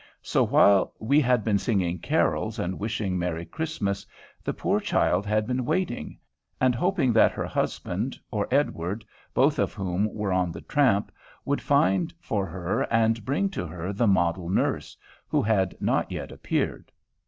So while we had been singing carols and wishing merry Christmas, the poor child had been waiting, and hoping that her husband or Edward, both of whom were on the tramp, would find for her and bring to her the model nurse, who had not yet appeared.